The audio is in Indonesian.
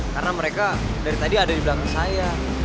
karena mereka dari tadi ada di belakang saya